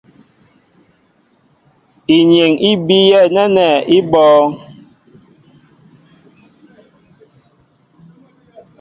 Inyeŋ í biyɛ nɛ́nɛ́ í bɔ̄ɔ̄ŋ.